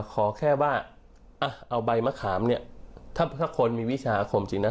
ขอแค่ว่าเอาใบมะขามเนี่ยถ้าคนมีวิชาอาคมจริงนะ